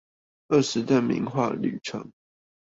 二十段名畫旅程